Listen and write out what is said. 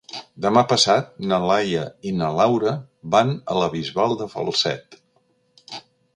Demà passat na Laia i na Laura van a la Bisbal de Falset.